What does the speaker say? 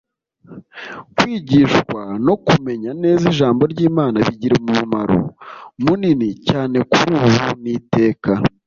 kwigishwa no kumenya neza Ijambo ry Imana bigira umumaro munini cyane kurubu ni iteka